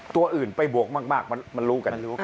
ตัวอื่นไปบวกมากมันรู้กันรู้กัน